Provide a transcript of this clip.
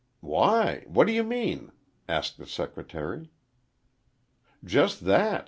"Why? What do you mean?" asked the secretary. "Just that.